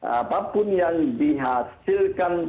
apapun yang dihasilkan